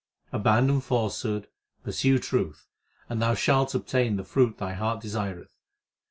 Abandon falsehood, pursue truth, And thou shalt obtain the fruit thy heart desireth.